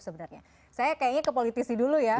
sebenarnya saya kayaknya ke politisi dulu ya